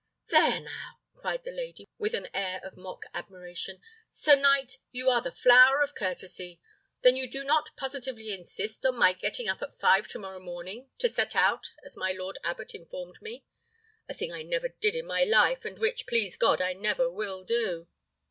"There now!" cried the lady, with an air of mock admiration; "sir knight, you are the flower of courtesy! Then you do not positively insist on my getting up at five to morrow morning to set out, as my lord abbot informed me? A thing I never did in my life, and which, please God, I never will do!"